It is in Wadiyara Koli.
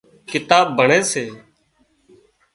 ڪتاب ڀڻي سي